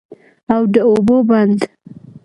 او د اوبو بند